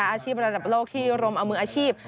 อาชีพระดับโลกที่รวมเอามืออาชีพ